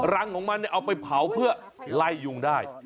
รังของมันเอาไปเผาเพื่อไล่ยุงได้